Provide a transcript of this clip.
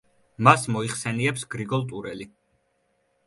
მას მოიხსენიებს გრიგოლ ტურელი.